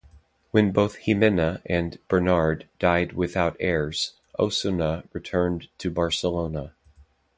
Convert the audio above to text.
When both Jimena and Bernard died without heirs, Osona returned to Barcelona.